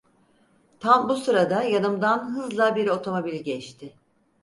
Tam bu sırada yanımdan hızla bir otomobil geçti.